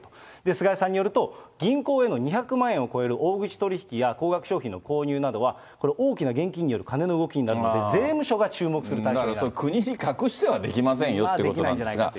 菅井さんによると、銀行への２００万円を超える大口取り引きや高額商品の購入などは、これ、大きな現金による金の動きになって、だから国に隠してはできませできないんじゃないかと。